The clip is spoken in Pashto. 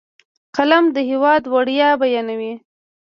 قلم د هېواد ویاړ بیانوي